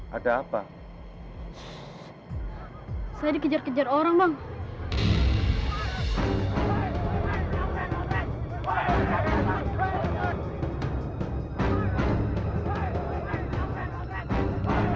hei balik juga bian